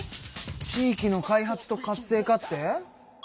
地域の開発と活性化って？